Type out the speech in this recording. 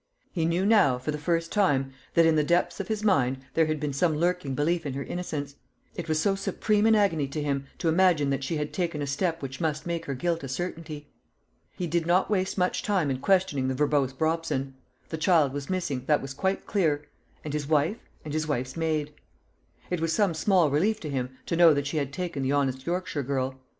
He knew now, for the first time, that in the depths of his mind there had been some lurking belief in her innocence, it was so supreme an agony to him to imagine that she had taken a step which must make her guilt a certainty. He did not waste much time in questioning the verbose Brobson. The child was missing that was quite clear and his wife, and his wife's maid. It was some small relief to him to know that she had taken the honest Yorkshire girl.